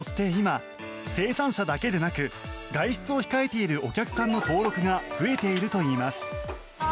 そして今、生産者だけでなく外出を控えているお客さんの登録が増えているといいます。